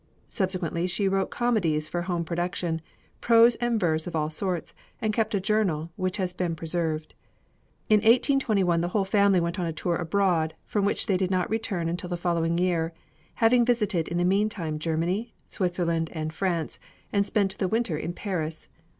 Subsequently she wrote comedies for home production, prose and verse of all sorts, and kept a journal, which has been preserved. In 1821 the whole family went on a tour abroad, from which they did not return until the following year, having visited in the meantime Germany, Switzerland, and France, and spent the winter in Paris.